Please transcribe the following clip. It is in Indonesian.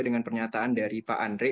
pertanyaan pernyataan dari pak andri